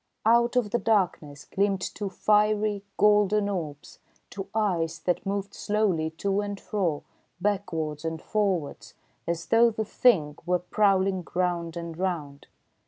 Out of the darkness gleamed two fiery, golden orbs, two eyes that moved slowly to and fro, backwards and forwards, as though the Thing were prowling round and round.